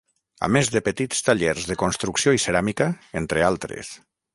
A més de petits tallers de construcció i ceràmica, entre altres.